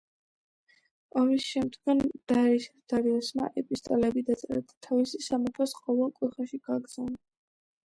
ამის შემდგომ დარიოსმა ეპისტოლეები დაწერა და თავისი სამეფოს ყოველ კუთხეში გააგზავნა.